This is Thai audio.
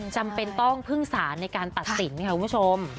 จำเป็นต้องพึ่งสารในการตัดสินค่ะคุณผู้ชม